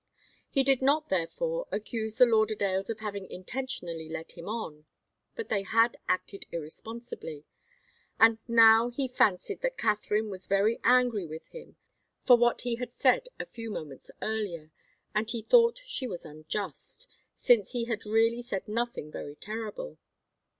He did not, therefore, accuse the Lauderdales of having intentionally led him on. But they had acted irresponsibly. And now he fancied that Katharine was very angry with him for what he had said a few moments earlier, and he thought she was unjust, since he had really said nothing very terrible.